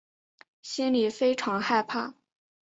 心里非常害怕